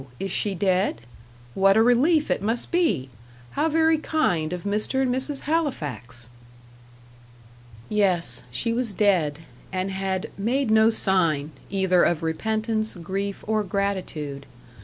is she dead? What a relief it must be! How very kind of Mr. and Mrs. Halifax!" Yes, she was dead, and had "made no sign," either of repentance, grief, or gratitude.